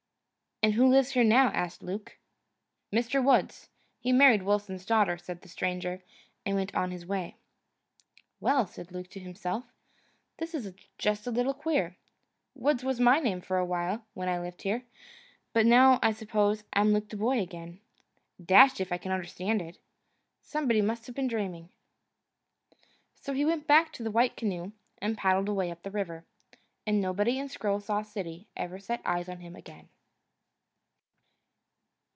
"And who lives here now?" asked Luke. "Mr. Woods: he married Wilson's daughter," said the stranger, and went on his way. "Well," said Luke to himself, "this is just a little queer. Woods was my name for a while, when I lived here, but now, I suppose, I'm Luke Dubois again. Dashed if I can understand it. Somebody must have been dreaming." So he went back to the white canoe, and paddled away up the river, and nobody in Scroll Saw City ever set eyes on him again.